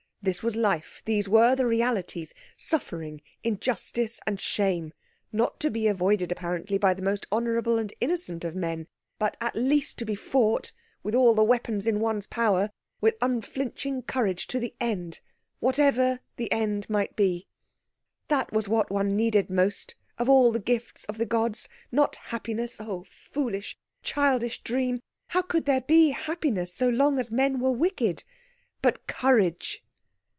This was life, these were the realities suffering, injustice, and shame; not to be avoided apparently by the most honourable and innocent of men; but at least to be fought with all the weapons in one's power, with unflinching courage to the end, whatever that end might be. That was what one needed most, of all the gifts of the gods not happiness oh, foolish, childish dream! how could there be happiness so long as men were wicked? but courage.